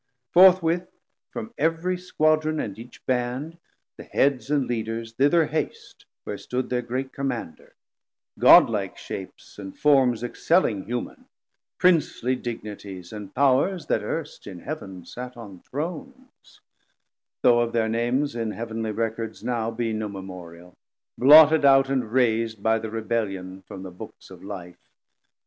Forthwith from every Squadron and each Band The Heads and Leaders thither hast where stood Their great Commander; Godlike shapes and forms Excelling human, Princely Dignities, And Powers that earst in Heaven sat on Thrones; 360 Though of their Names in heav'nly Records now Be no memorial, blotted out and ras'd By thir Rebellion, from the Books of Life.